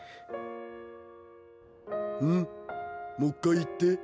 もっかい言って。